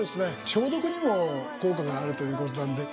消毒にも効果があるということなんで。